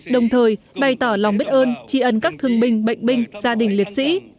đồng thời bày tỏ lòng biết ơn trì ấn các thương binh bệnh binh gia đình liệt sĩ